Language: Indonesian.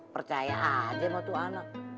percaya aja sama tuh anak